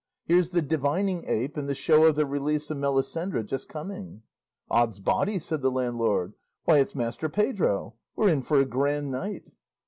Here's the divining ape and the show of the Release of Melisendra just coming." "Ods body!" said the landlord, "why, it's Master Pedro! We're in for a grand night!"